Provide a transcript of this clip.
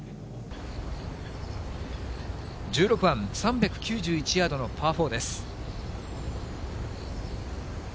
１６番３９１ヤードのパー４です。